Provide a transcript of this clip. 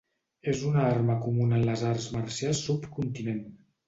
És una arma comuna en les arts marcials subcontinent.